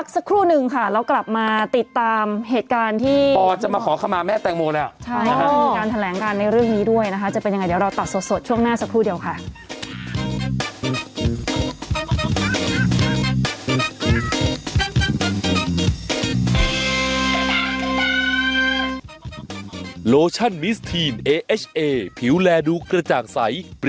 สดช่วงหน้าสักครู่เดียวค่ะ